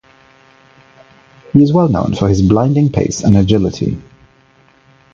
He is well known for his blinding pace and agility.